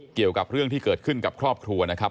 เกี่ยวกับเรื่องที่เกิดขึ้นกับครอบครัวนะครับ